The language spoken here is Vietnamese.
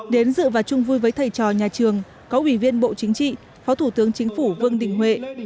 đến dự và chung vui với thầy trò nhà trường có ủy viên bộ chính trị phó thủ tướng chính phủ vương đình huệ